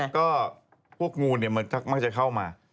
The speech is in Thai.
ก็พวกงูมันมากจะเข้ามา